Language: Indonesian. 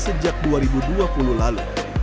sejak dua ribu dua puluh lalu